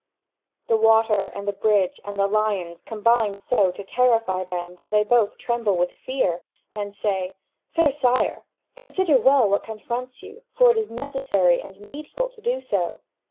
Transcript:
The water and the bridge and the lions combine so to terrify them that they both tremble with fear, and say: "Fair sire, consider well what confronts you; for it is necessary and needful to do so.